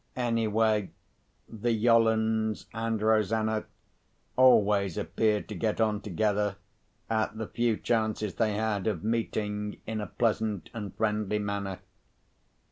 Anyway, the Yollands and Rosanna always appeared to get on together, at the few chances they had of meeting, in a pleasant and friendly manner.